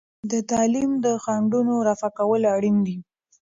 د تعلیم د خنډونو رفع کول اړین دي.